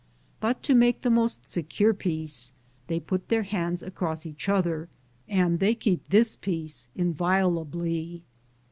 But to make the most secure peace they put their hands across each other, and they keep this peace inviolably.